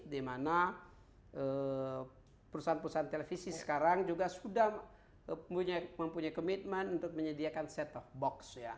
dimana perusahaan perusahaan televisi sekarang juga sudah mempunyai komitmen untuk menyediakan set of box